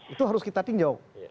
itu harus kita tinjau